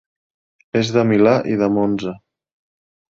És de Milà i de Monza.